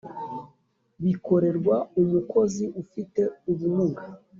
bikorerwa umukozi ufite ubumuga